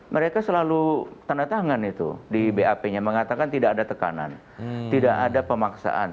mereka selalu tanda tangan itu di bap nya mengatakan tidak ada tekanan tidak ada pemaksaan